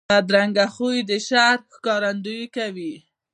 بدرنګه خوی د شر ښکارندویي کوي